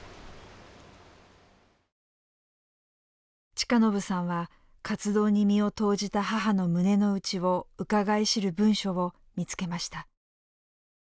親信さんは活動に身を投じた母の胸の内をうかがい知る文書を見つけました。